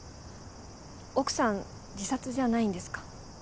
奥さん自殺じゃないんですか？